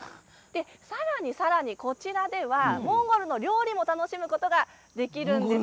さらに、こちらではモンゴルの料理を楽しむことができるんです。